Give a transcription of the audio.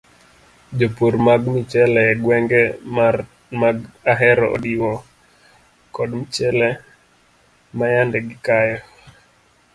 Jopur mag michele e gwenge mag ahero odiwo kod michele mayande gikayo.